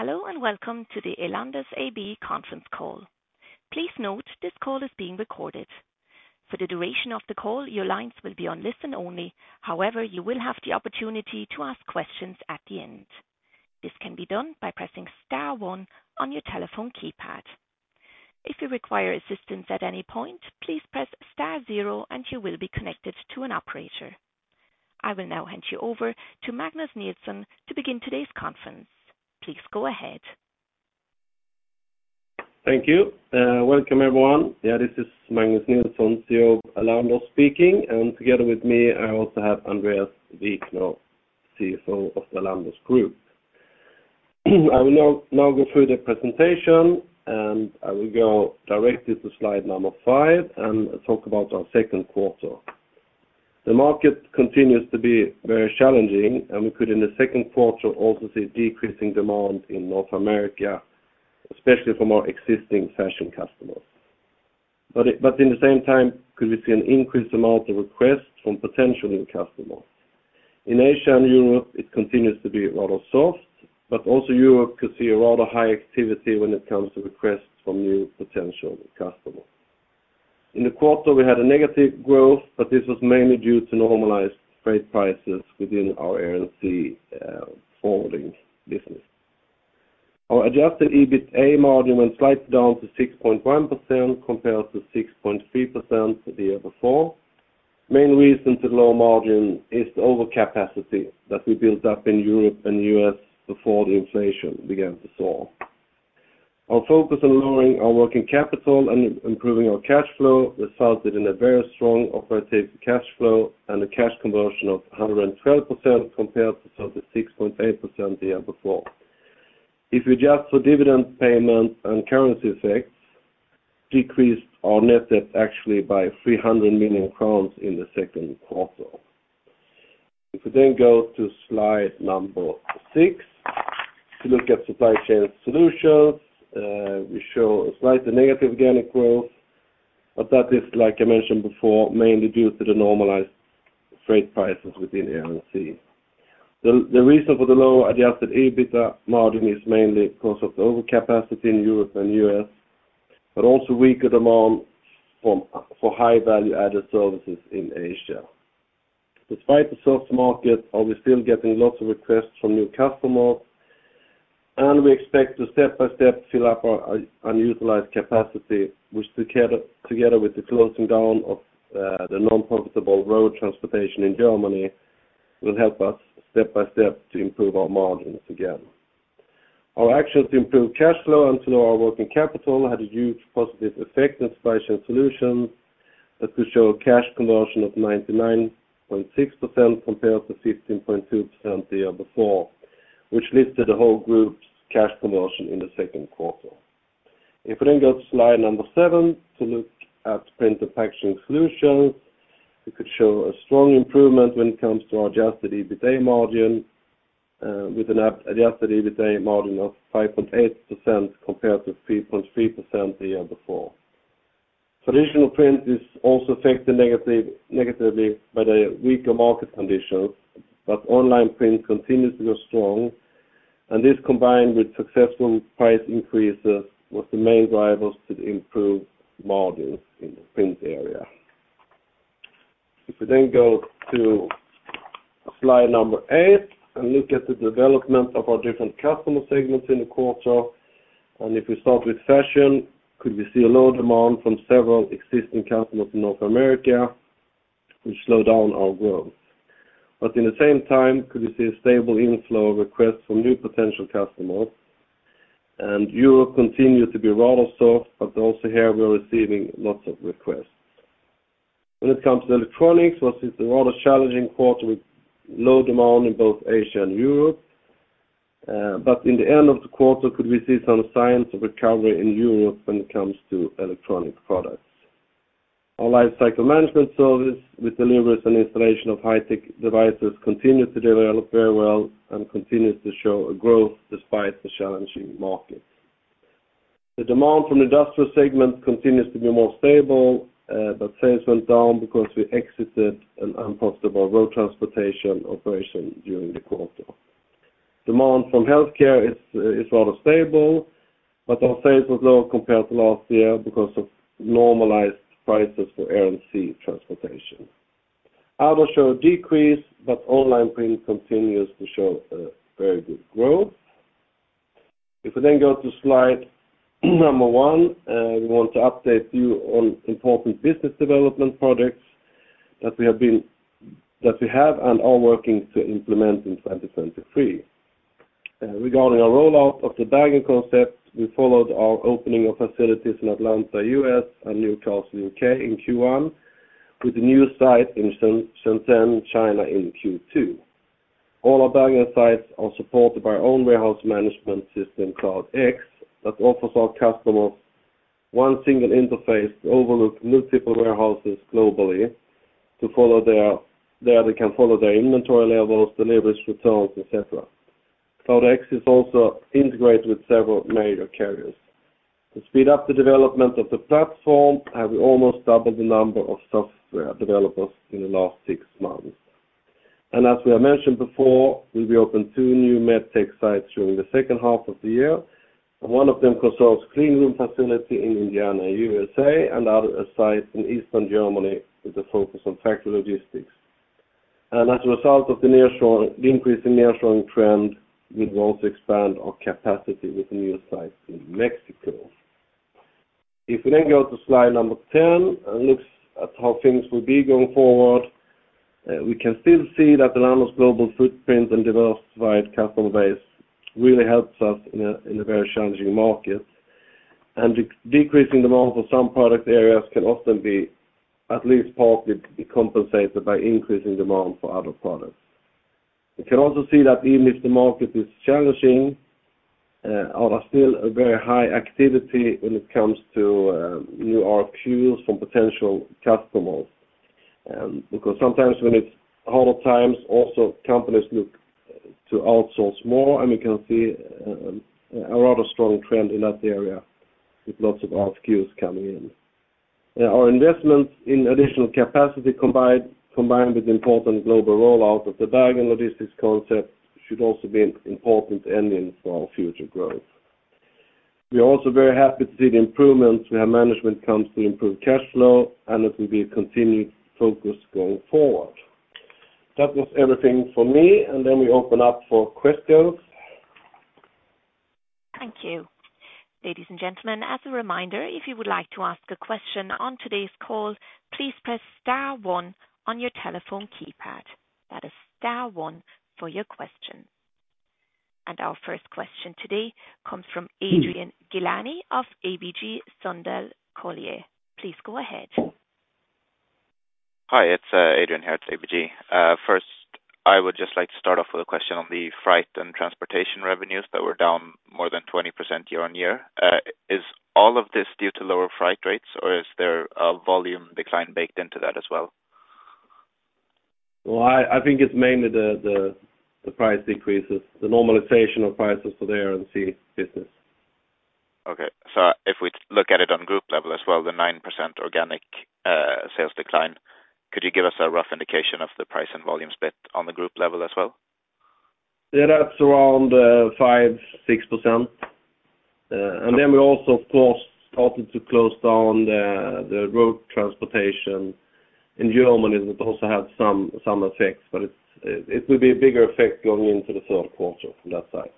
Hello, welcome to the Elanders AB conference call. Please note, this call is being recorded. For the duration of the call, your lines will be on listen only. However, you will have the opportunity to ask questions at the end. This can be done by pressing star one on your telephone keypad. If you require assistance at any point, please press star zero, and you will be connected to an operator. I will now hand you over to Magnus Nilsson to begin today's conference. Please go ahead. Thank you. Welcome, everyone. Yeah, this is Magnus Nilsson, CEO of Elanders speaking. Together with me, I also have Andreas Wikner, CFO of Elanders Group. I will now go through the presentation. I will go directly to slide number five and talk about our Q2. The market continues to be very challenging. We could, in the second quarter, also see decreasing demand in North America, especially from our existing fashion customers. In the same time, could we see an increased amount of requests from potential new customers. In Asia and Europe, it continues to be rather soft. Also, Europe could see a rather high activity when it comes to requests from new potential customers. In the quarter, we had a negative growth. This was mainly due to normalized freight prices within our air and sea forwarding business. Our adjusted EBITA margin went slightly down to 6.1%, compared to 6.3% the year before. Main reason to low margin is the overcapacity that we built up in Europe and U.S. before the inflation began to soar. Our focus on lowering our working capital and improving our cash flow resulted in a very strong operating cash flow and a cash conversion of 112%, compared to 36.8% the year before. If you adjust for dividend payment and currency effects, decreased our net debt actually by 300 million crowns in Q2. We then go to slide number six, to look at Supply Chain Solutions, we show a slightly negative organic growth, but that is, like I mentioned before, mainly due to the normalized freight prices within air and sea. The reason for the lower adjusted EBITA margin is mainly because of the overcapacity in Europe and US, but also weaker demand for high value added services in Asia. Despite the soft market, are we still getting lots of requests from new customers. We expect to step by step fill up our unutilized capacity, which together with the closing down of the non-profitable road transportation in Germany, will help us step by step to improve our margins again. Our actions to improve cash flow and to lower our working capital had a huge positive effect on Supply Chain Solutions, as we show cash conversion of 99.6%, compared to 15.2% the year before, which leads to the whole group's cash conversion in the Q2. If we then go to slide seven, to look at Print & Packaging Solutions, we could show a strong improvement when it comes to our adjusted EBITA margin, with an adjusted EBITA margin of 5.8%, compared to 3.3% the year before. Traditional print is also affected negatively by the weaker market conditions, but online print continues to go strong, and this, combined with successful price increases, was the main drivers to the improved margins in the print area. If we then go to slide eight and look at the development of our different customer segments in the quarter, and if we start with fashion, could we see a low demand from several existing customers in North America, which slowed down our growth In the same time, could we see a stable inflow of requests from new potential customers, and Europe continued to be rather soft, but also here we're receiving lots of requests. When it comes to electronics, was it a rather challenging quarter with low demand in both Asia and Europe, in the end of the quarter, could we see some signs of recovery in Europe when it comes to electronic products. Our Life Cycle Management service, which delivers an installation of high-tech devices, continued to develop very well and continues to show a growth despite the challenging market. The demand from the industrial segment continues to be more stable, sales went down because we exited an unprofitable road transportation operation during the quarter. Demand from healthcare is rather stable, but our sales was low compared to last year because of normalized prices for air and sea transportation. Other show a decrease, but online print continues to show very good growth. We then go to slide number one, we want to update you on important business development projects that we have and are working to implement in 2023. Regarding our rollout of the Bergen Logistics concept, we followed our opening of facilities in Atlanta, US, and Newcastle, UK, in Q1, with a new site in Shenzhen, China, in Q2. All our Bergen Logistics sites are supported by our own warehouse management system, CloudX, that offers our customers one single interface to overlook multiple warehouses globally. They can follow their inventory levels, deliveries, returns, etc. CloudX is also integrated with several major carriers. To speed up the development of the platform, have we almost doubled the number of software developers in the last six months. As we have mentioned before, we'll be open two new medtech sites during H2 of the year, and one of them concerns cleanroom facility in Indiana, USA, and the other a site in Eastern Germany with a focus on factory logistics. As a result of the nearshoring, the increase in nearshoring trend, we will also expand our capacity with a new site in Mexico. If we go to slide number 10 and look at how things will be going forward, we can still see that the LANXESS global footprint and diversified customer base really helps us in a very challenging market. Decreasing demand for some product areas can often be at least partly compensated by increasing demand for other products. We can also see that even if the market is challenging, are still a very high activity when it comes to new RFQs from potential customers. Because sometimes when it's harder times, also companies look to outsource more, and we can see a rather strong trend in that area, with lots of RFQs coming in. Our investments in additional capacity, combined with important global rollout of the Bergen Logistics concept, should also be an important engine for our future growth. We are also very happy to see the improvements where management comes to improve cash flow, and it will be a continued focus going forward. That was everything for me, we open up for questions. Thank you. Ladies and gentlemen, as a reminder, if you would like to ask a question on today's call, please press star one on your telephone keypad. That is star one for your question. Our first question today comes from Adrian Gilani of ABG Sundal Collier. Please go ahead. Hi, it's Adrian here at ABG. First, I would just like to start off with a question on the freight and transportation revenues that were down more than 20% year-on-year. Is all of this due to lower freight rates, or is there a volume decline baked into that as well? Well, I think it's mainly the price decreases, the normalization of prices for the air and sea business. Okay. If we look at it on group level as well, the 9% organic sales decline, could you give us a rough indication of the price and volume split on the group level as well? Yeah, that's around 5% to 6%. We also, of course, started to close down the road transportation in Germany, that also had some effects, but it's, it will be a bigger effect going into the Q3 from that side.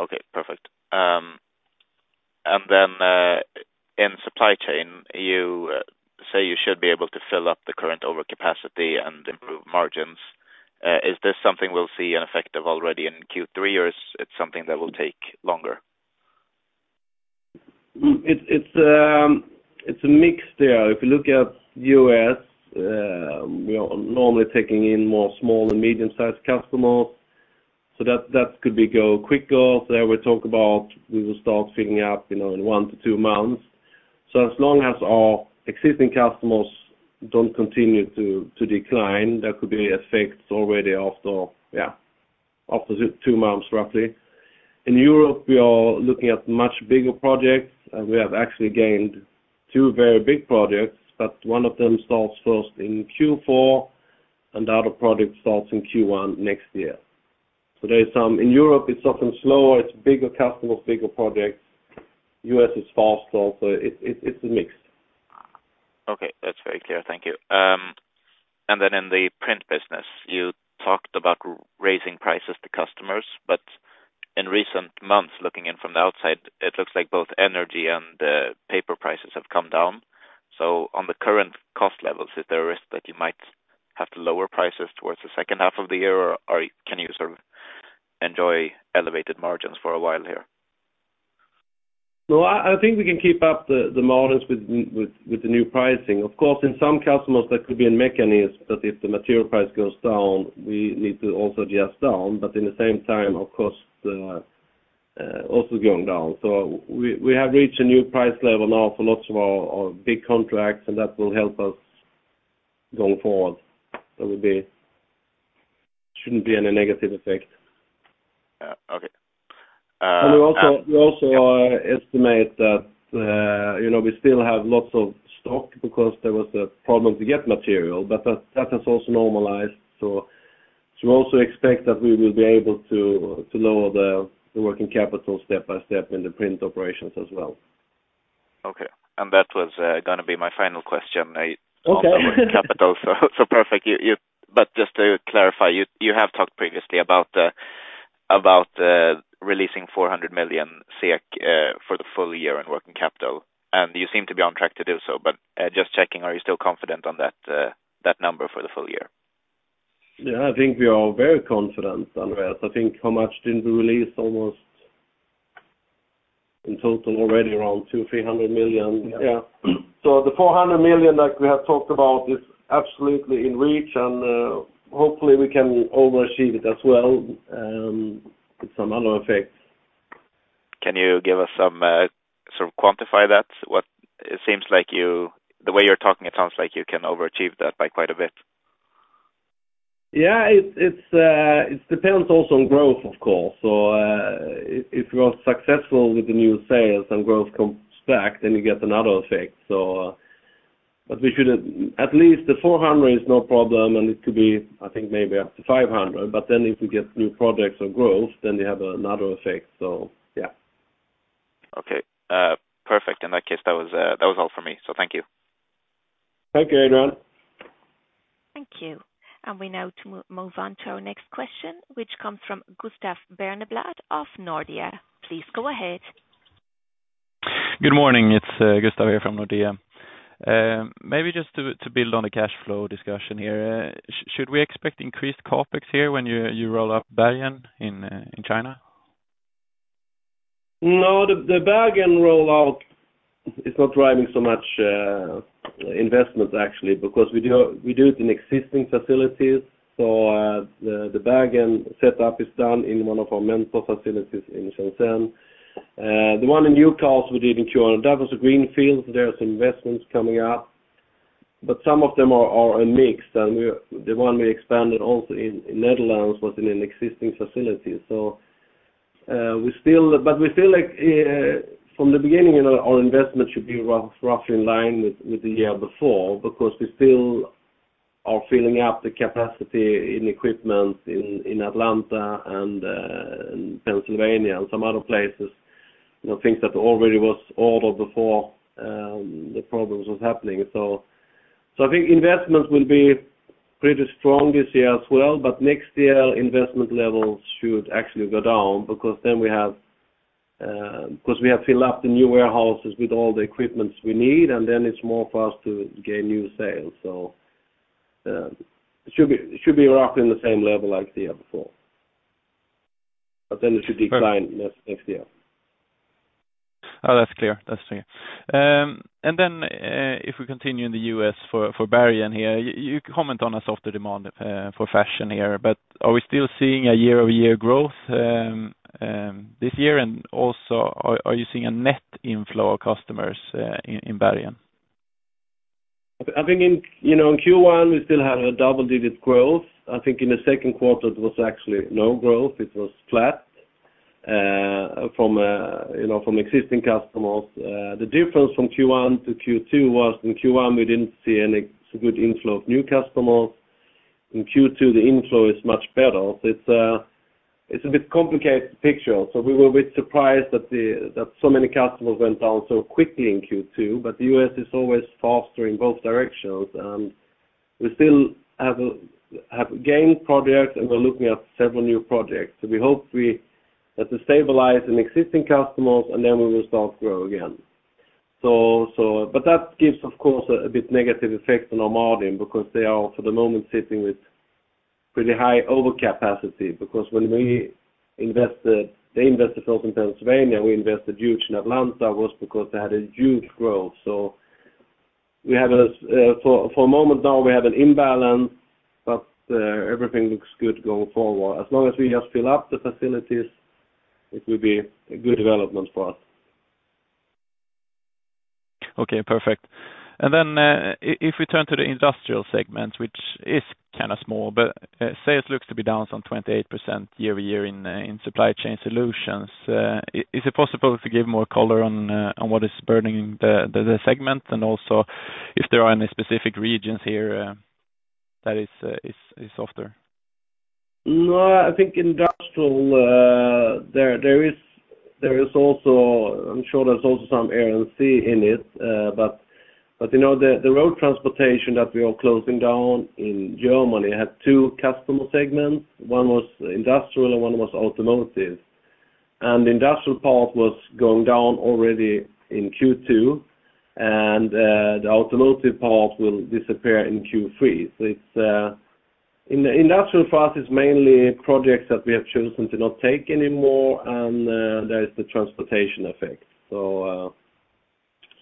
Okay, perfect. In Supply Chain Solutions, you say you should be able to fill up the current overcapacity and improve margins. Is this something we'll see in effect of already in Q3, or it's something that will take longer? It's, it's a mix there. If you look at US, we are normally taking in more small and medium-sized customers, so that could be go quicker. There we talk about we will start filling up, you know, in one to two months. As long as our existing customers don't continue to decline, there could be effects already after, yeah, after two months, roughly. In Europe, we are looking at much bigger projects, and we have actually gained two very big projects, but one of them starts first in Q4, and the other project starts in Q1 next year. There is some... In Europe, it's often slower, it's bigger customers, bigger projects. US is faster, so it's, it's a mix. Okay. That's very clear. Thank you. In the print business, you talked about raising prices to customers, but in recent months, looking in from the outside, it looks like both energy and the paper prices have come down. On the current cost levels, is there a risk that you might have to lower prices towards the second half of the year, or can you sort of enjoy elevated margins for a while here? No, I think we can keep up the margins with the new pricing. Of course, in some customers, there could be a mechanism that if the material price goes down, we need to also adjust down, in the same time, of course, the also going down. We have reached a new price level now for lots of our big contracts, and that will help us going forward. Shouldn't be any negative effect. Yeah. Okay, We also estimate that, you know, we still have lots of stock because there was a problem to get material, but that has also normalized. We also expect that we will be able to lower the working capital step by step in the print operations as well. Okay. That was gonna be my final question. Okay. On working capital, perfect. Just to clarify, you have talked previously about releasing 400 million SEK for the full year in working capital, and you seem to be on track to do so. Just checking, are you still confident on that number for the full year? Yeah, I think we are very confident, Andreas. I think, how much did we release? Almost in total, already around 200 to 300 million. Yeah. The 400 million that we have talked about is absolutely in reach, and hopefully, we can overachieve it as well, with some other effects. Can you give us some sort of quantify that? What it seems like you, the way you're talking, it sounds like you can overachieve that by quite a bit. Yeah, it's, it depends also on growth, of course. If we are successful with the new sales and growth comes back, then you get another effect. We should, at least the 400 is no problem, and it could be, I think, maybe up to 500. If we get new projects or growth, then they have another effect. Okay, perfect. In that case, that was, that was all for me. Thank you. Thank you, Adrian. Thank you. We now to move on to our next question, which comes from Gustav Berneblad of Nordea. Please go ahead. Good morning, it's Gustav here from Nordea. Maybe just to build on the cash flow discussion here, should we expect increased CapEx here when you roll up Bergen in China? No, the Bergen rollout is not driving so much investment, actually, because we do it in existing facilities. The Bergen setup is done in one of our Mentor Media facilities in Shenzhen. The one in Utah, we did in Q1, that was a greenfield. There are some investments coming up, but some of them are a mix, and the one we expanded also in Netherlands was in an existing facility. We feel like, from the beginning, you know, our investment should be roughly in line with the year before, because we still are filling up the capacity in equipment in Atlanta and Pennsylvania, and some other places. You know, things that already was ordered before, the problems was happening. I think investments will be pretty strong this year as well, but next year, investment levels should actually go down because then we have, because we have filled up the new warehouses with all the equipments we need, and then it's more for us to gain new sales. It should be roughly in the same level like the year before. It should decline next year. Oh, that's clear. That's clear. If we continue in the U.S. for Bergen here, you comment on a softer demand for fashion here. Are we still seeing a year-over-year growth this year, and also, are you seeing a net inflow of customers in Bergen? I think in, you know, in Q1, we still had a double-digit growth. I think in the Q2, it was actually no growth. It was flat from, you know, from existing customers. The difference from Q1 to Q2 was in Q1, we didn't see any good inflow of new customers. In Q2, the inflow is much better. It's a bit complicated picture. We were a bit surprised that so many customers went down so quickly in Q2. The US is always faster in both directions. We still have gained projects, and we're looking at several new projects. We hope we stabilize in existing customers, and we will start to grow again. That gives, of course, a bit negative effect on our margin because they are, for the moment, sitting with pretty high overcapacity, because when we invested, they invested first in Pennsylvania, we invested huge in Atlanta, was because they had a huge growth. We have for a moment now, we have an imbalance. Everything looks good going forward. As long as we just fill up the facilities, it will be a good development for us. Okay, perfect. If we turn to the industrial segment, which is kind of small, but sales looks to be down some 28% year-over-year in Supply Chain Solutions. Is it possible to give more color on what is burning the segment, and also if there are any specific regions here, that is softer? No, I think industrial, there is also, I'm sure there's also some RNC in it, but, you know, the road transportation that we are closing down in Germany had two customer segments. One was industrial and one was automotive. The industrial part was going down already in Q2, and the automotive part will disappear in Q3. It's in the industrial part, it's mainly projects that we have chosen to not take anymore, and there is the transportation effect.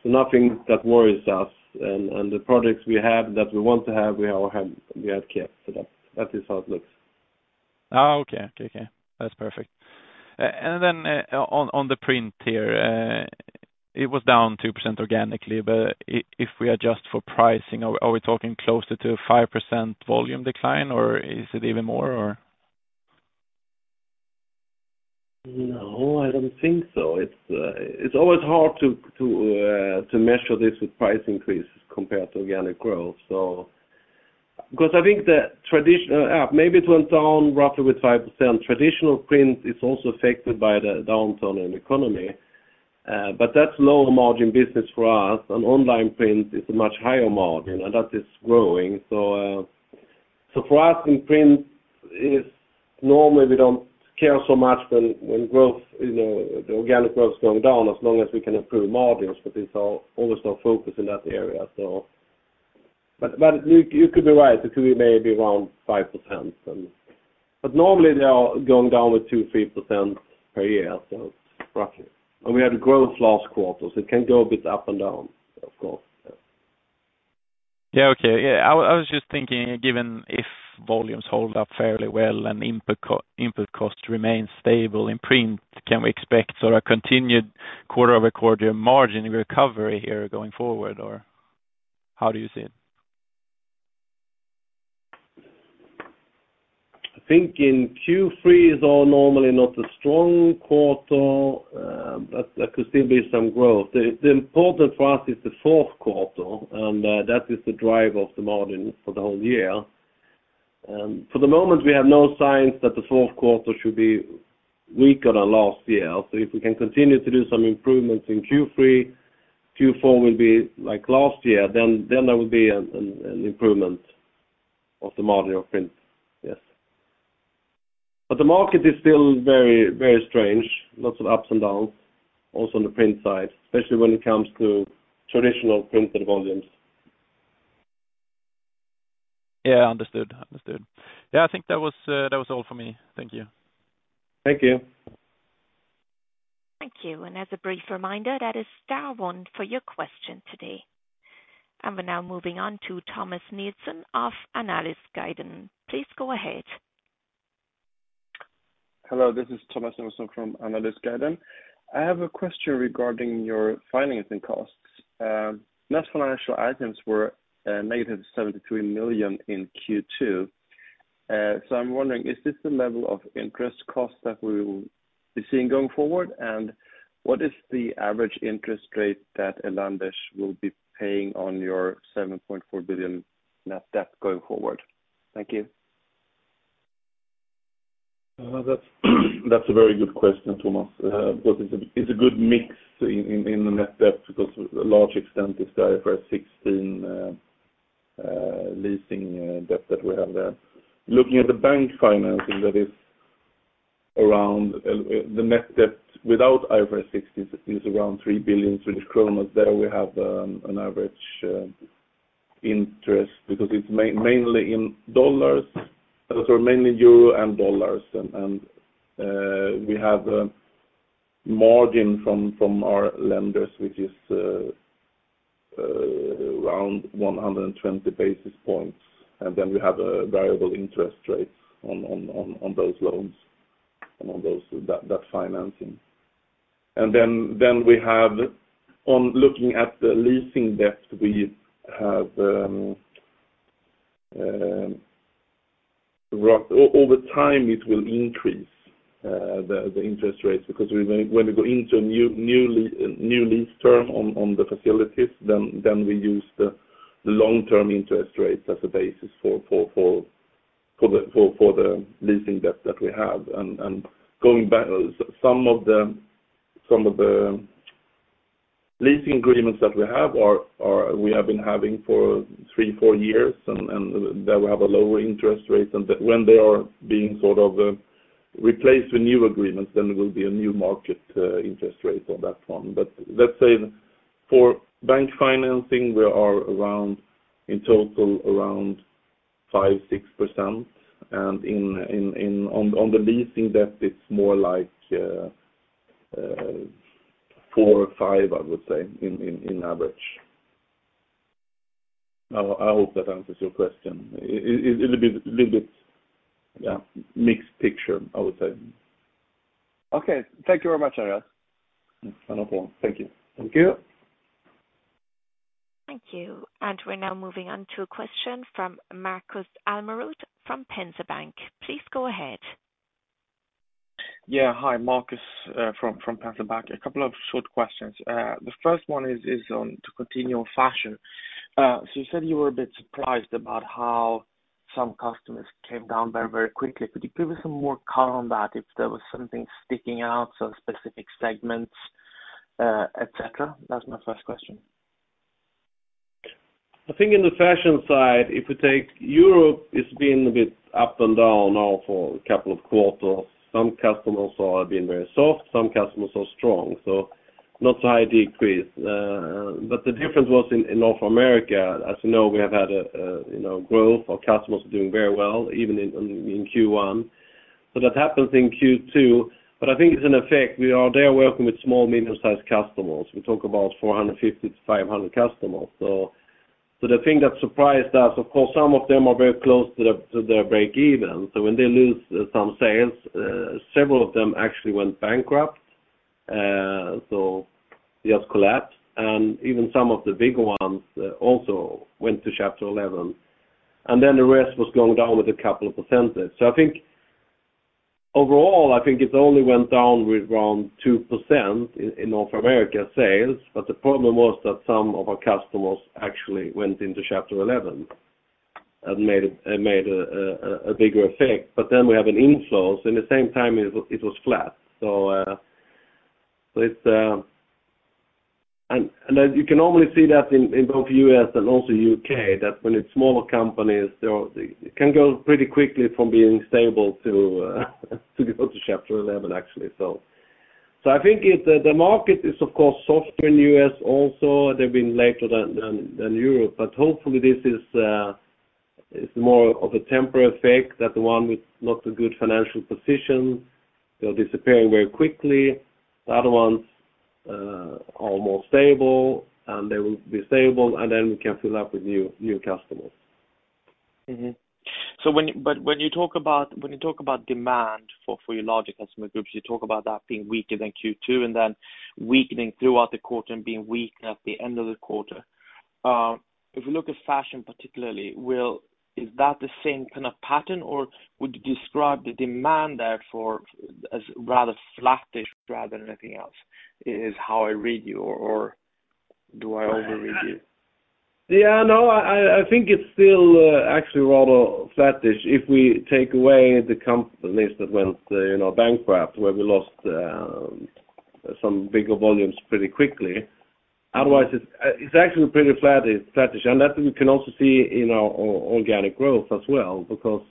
Nothing that worries us, and the projects we have, that we want to have, we all have, we have kept. That is how it looks. Okay. Okay, okay. That's perfect. On the print here, it was down 2% organically, if we adjust for pricing, are we talking closer to a 5% volume decline, or is it even more, or? No, I don't think so. It's, it's always hard to measure this with price increases compared to organic growth. I think the tradition, maybe it went down roughly with 5%. Traditional print is also affected by the downturn in the economy, but that's lower margin business for us, and online print is a much higher margin, and that is growing. For us, in print, it's normally we don't care so much when growth, you know, the organic growth is going down, as long as we can improve margins, but it's always our focus in that area. You could be right. It could be maybe around 5%, but normally, they are going down with 2%, 3% per year, roughly. We had growth last quarter, so it can go a bit up and down, of course. Yeah. Yeah, okay. Yeah, I was just thinking, given if volumes hold up fairly well and input costs remain stable in print, can we expect sort of a continued quarter-over-quarter margin recovery here going forward? Or how do you see it? I think in Q3 is all normally not a strong quarter, but there could still be some growth. The important for us is the fourth quarter, and that is the driver of the margin for the whole year. For the moment, we have no signs that the fourth quarter should be weaker than last year. If we can continue to do some improvements in Q3, Q4 will be like last year, then there will be an improvement of the margin of print. Yes. The market is still very, very strange. Lots of ups and downs, also on the print side, especially when it comes to traditional printed volumes. Yeah, understood. Understood. Yeah, I think that was all for me. Thank you. Thank you. Thank you. As a brief reminder, that is star one for your question today. We're now moving on to Thomas Nielsen of Analysguiden. Please go ahead. Hello, this is Thomas Nielsen from Analysguiden. I have a question regarding your financing costs. Net financial items were negative 73 million in Q2. I'm wondering, is this the level of interest costs that we will be seeing going forward? What is the average interest rate that Elanders will be paying on your 7.4 billion net debt going forward? Thank you. That's a very good question, Thomas. It's a good mix in the net debt, because a large extent is IFRS 16 leasing debt that we have there. Looking at the bank financing that is around, the net debt without IFRS 16 is around 3 billion. There we have an average interest, because it's mainly in dollars, or mainly euro and dollars. We have a margin from our lenders, which is around 120 basis points, and then we have a variable interest rate on those loans and on that financing. We have on looking at the leasing debt, we have over time, it will increase the interest rates, because we when we go into a new lease term on the facilities, then we use the long term interest rates as a basis for the leasing debt that we have. Going back, some of the leasing agreements that we have are we have been having for three, four years, and they will have a lower interest rate. When they are being sort of replaced with new agreements, then there will be a new market interest rate on that one. Let's say for bank financing, we are around, in total, around 5% to 6%. In on the leasing debt, it's more like four or five, I would say, in average. I hope that answers your question. It a little bit, yeah, mixed picture, I would say. Okay. Thank you very much. No problem. Thank you. Thank you. Thank you. We're now moving on to a question from Markus Almerud from Pareto Securities. Please go ahead. Yeah. Hi, Markus, from Pareto Securities. A couple of short questions. The first one is on to continue on fashion. You said you were a bit surprised about how some customers came down very, very quickly. Could you give us some more color on that, if there was something sticking out, some specific segments, etc? That's my first question. I think in the fashion side, if you take Europe, it's been a bit up and down now for a couple of quarters. Some customers are being very soft, some customers are strong, so not a high decrease. The difference was in North America, as you know, we have had a growth. Our customers are doing very well, even in Q1. That happens in Q2. I think it's an effect. We are there working with small, medium-sized customers. We talk about 450 to 500 customers. The thing that surprised us, of course, some of them are very close to their break even. When they lose some sales, several of them actually went bankrupt, just collapsed. Even some of the bigger ones also went to Chapter 11. The rest was going down with a couple of percentage. Overall, I think it only went down with around 2% in North America sales, but the problem was that some of our customers actually went into Chapter 11 and made a bigger effect. We have an inflows, in the same time it was flat. As you can normally see that in both US and also UK, when it's smaller companies, it can go pretty quickly from being stable to go to Chapter 11, actually. The market is, of course, softer in US also. They've been later than Europe, hopefully this is. It's more of a temporary effect, that the one with not so good financial position, they're disappearing very quickly. The other ones are more stable, and they will be stable, and then we can fill up with new customers. Mm-hmm. When you talk about, when you talk about demand for your larger customer groups, you talk about that being weaker than Q2 and then weakening throughout the quarter and being weak at the end of the quarter. If you look at fashion, particularly, is that the same kind of pattern, or would you describe the demand there for, as rather flattish, rather than anything else? Is how I read you, or do I overread you? I think it's still actually rather flattish. If we take away the companies that went, you know, bankrupt, where we lost some bigger volumes pretty quickly. Otherwise, it's actually pretty flat, flattish, and that we can also see in our organic growth as well, because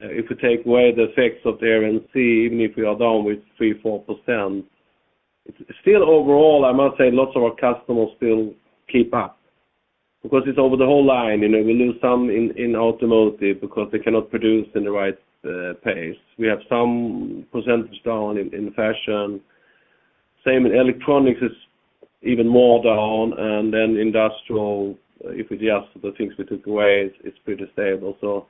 if you take away the effects of the RNC, even if we are down with 3% to4%, it's still overall, I must say, lots of our customers still keep up. It's over the whole line, you know, we lose some in automotive because they cannot produce in the right pace. We have some percentage down in fashion. Same in electronics, is even more down, and then industrial, if you just, the things we took away, it's pretty stable.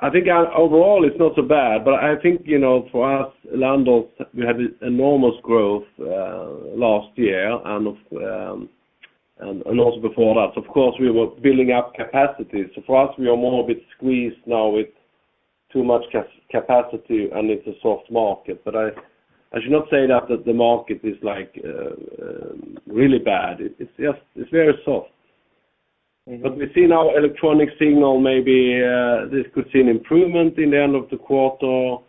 I think our overall, it's not so bad, but I think, you know, for us, Elanders, we had enormous growth, last year and also before that. Of course, we were building up capacity, so for us, we are more a bit squeezed now with too much capacity, and it's a soft market. I should not say that the market is, like, really bad. It's just, it's very soft. Mm-hmm. We see now electronic signal, maybe, this could see an improvement in the end of the quarter.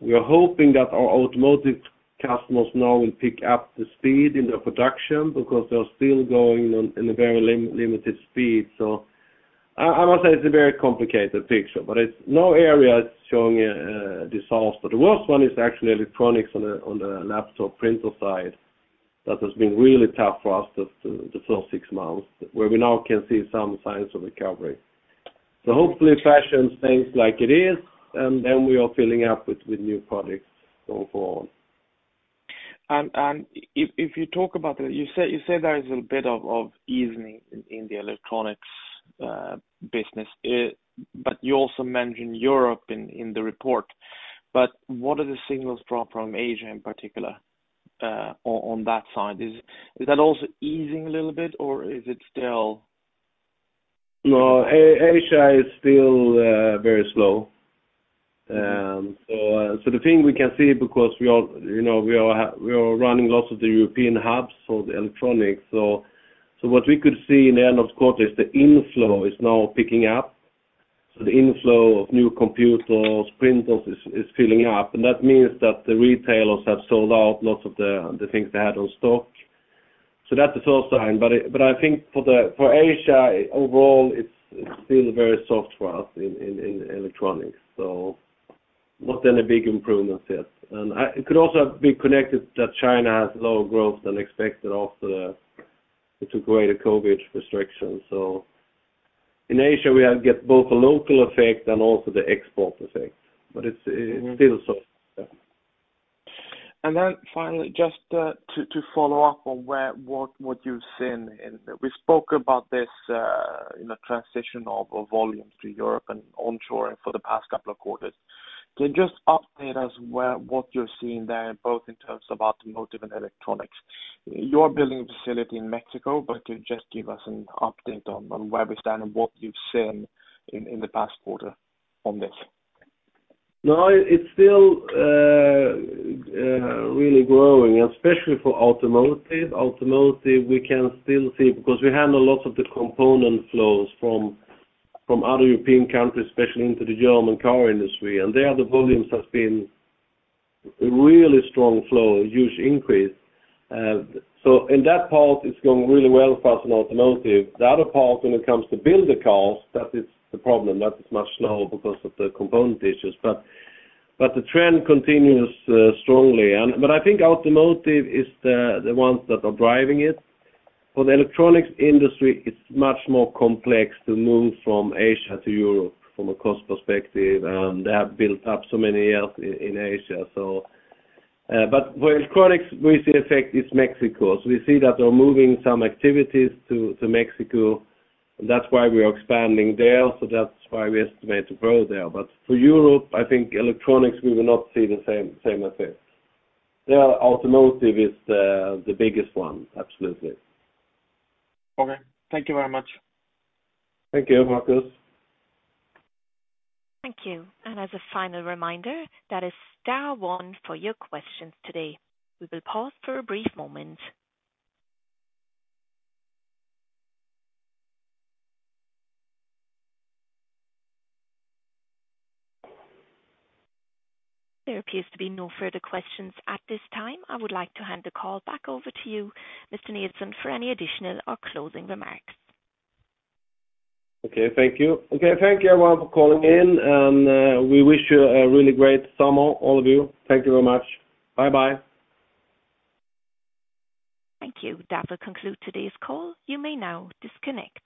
We are hoping that our automotive customers now will pick up the speed in their production because they're still going on in a very limited speed. I must say it's a very complicated picture, but it's. No area is showing dissolve, but the worst one is actually electronics on the laptop, printer side. That has been really tough for us the first six months, where we now can see some signs of recovery. Hopefully, fashion stays like it is, and then we are filling up with new products going forward. If you talk about the, you say there is a bit of easing in the electronics business, but you also mentioned Europe in the report. What are the signals from Asia in particular, on that side? Is that also easing a little bit, or is it still? No, Asia is still very slow. The thing we can see, because we are, you know, we are running lots of the European hubs for the electronics. What we could see in the end of quarter is the inflow is now picking up. The inflow of new computers, printers, is filling up, and that means that the retailers have sold out lots of the things they had on stock. That's a first sign, but I think for Asia, overall, it's still very soft for us in electronics, so not any big improvements yet. It could also be connected that China has lower growth than expected after the greater COVID restrictions. In Asia, we have get both a local effect and also the export effect, but it's still soft, yeah. Finally, just to follow up on where, what you've seen in. We spoke about this in the transition of volumes to Europe and onshore for the past couple of quarters. Can you just update us where, what you're seeing there, both in terms of automotive and electronics? You're building a facility in Mexico, can you just give us an update on where we stand and what you've seen in the past quarter on this? No, it's still really growing, especially for automotive. Automotive, we can still see, because we handle lots of the component flows from other European countries, especially into the German car industry, and there, the volumes has been a really strong flow, a huge increase. In that part, it's going really well for us in automotive. The other part, when it comes to build the cars, that is the problem. That is much slow because of the component issues, but the trend continues strongly. I think automotive is the ones that are driving it. For the electronics industry, it's much more complex to move from Asia to Europe from a cost perspective, and they have built up so many years in Asia, for electronics, we see effect is Mexico. We see that they're moving some activities to Mexico, that's why we are expanding there, so that's why we estimate to grow there. For Europe, I think electronics, we will not see the same effect. There, automotive is the biggest one, absolutely. Okay. Thank you very much. Thank you, Markus. Thank you. As a final reminder, that is star one for your questions today. We will pause for a brief moment. There appears to be no further questions at this time. I would like to hand the call back over to you, Mr. Nilsson, for any additional or closing remarks. Okay, thank you. Okay, thank you everyone for calling in, and, we wish you a really great summer, all of you. Thank you very much. Bye bye. Thank you. That will conclude today's call. You may now disconnect.